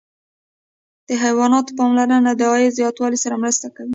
د حیواناتو پاملرنه د عاید زیاتوالي سره مرسته کوي.